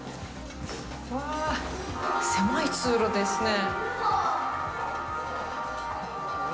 わあ、狭い通路ですね。